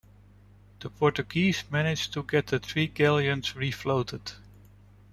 The Portuguese managed to get the three galleons refloated.